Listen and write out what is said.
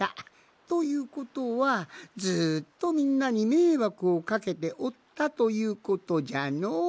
ということはずっとみんなにめいわくをかけておったということじゃの。